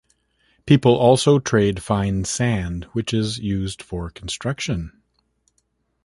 People also trade fine sand which is used for construction.